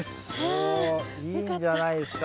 おいいんじゃないですか。